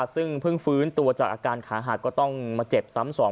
ซึ่งเพิ่งฟื้นตัวจากอาการขาหักก็ต้องมาเจ็บซ้ำสอง